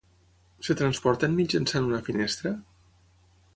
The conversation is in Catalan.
Es transporten mitjançant una finestra?